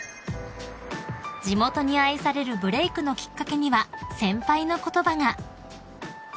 ［地元に愛されるブレークのきっかけには先輩の言葉が］